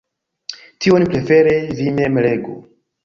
Tion prefere vi mem legu.